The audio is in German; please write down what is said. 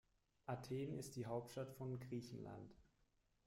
Athen ist die Hauptstadt von Griechenland.